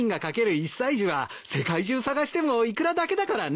１歳児は世界中探してもイクラだけだからね。